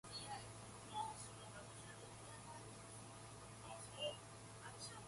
The terms of neither sale were disclosed.